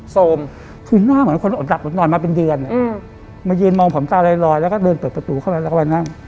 โสมคือหน้าเหมือนคนดับนอนมาเป็นเดือนเนี่ยมาเย็นมองผมตาลายลอยแล้วก็เดินเปิดประตูเข้ามาแล้วก็มานั่ง